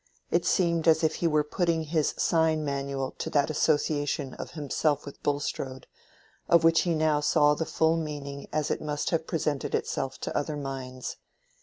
It seemed as if he were putting his sign manual to that association of himself with Bulstrode, of which he now saw the full meaning as it must have presented itself to other minds.